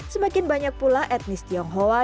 semakin banyak pula etnis tionghoa